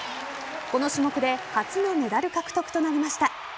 この種目で初のメダル獲得となりました。